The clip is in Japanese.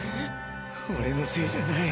俺のせいじゃない。